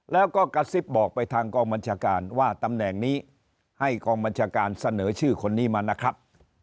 แล้วก็กระซิบบอกไปทางกองบัญชาการว่าตำแหน่งนี้ให้กองบัญชาการเสนอชื่อคนนี้มานะครับ